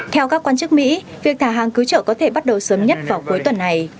theo các quan chức mỹ việc thả hàng cứu trợ có thể bắt đầu sớm nhất vào cuối tuần này